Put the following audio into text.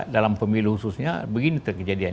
dalam pemilu khususnya begini kejadian